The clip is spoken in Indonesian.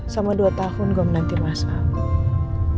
sama dua tahun gue menanti masa